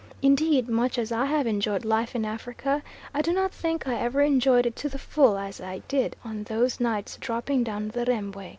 Indeed, much as I have enjoyed life in Africa, I do not think I ever enjoyed it to the full as I did on those nights dropping down the Rembwe.